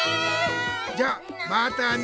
じゃまたね。